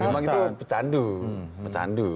ya memang itu pecandu